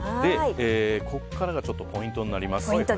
ここからがちょっとポイントになります。